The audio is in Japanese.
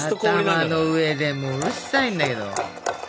頭の上でもううるさいんだけど。